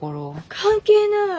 関係ない！